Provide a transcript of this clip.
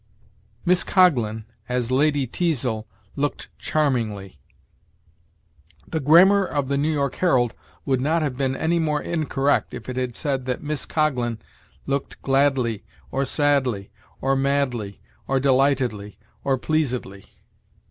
"Miss Coghlan, as Lady Teazle, looked charmingly." The grammar of the "New York Herald" would not have been any more incorrect if it had said that Miss Coghlan looked gladly, or sadly, or madly, or delightedly, or pleasedly.